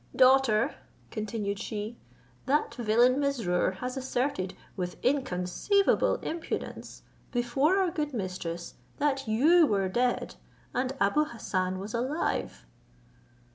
Daughter," continued she, "that villain Mesrour has asserted, with inconceivable impudence, before our good mistress, that you were dead, and Abou Hassan was alive."